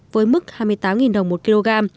với mức hai mươi tám đồng một kg